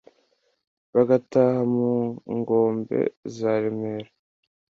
bagataha mu ngómbé zá remeera